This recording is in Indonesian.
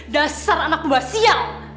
dasar anak mbak siap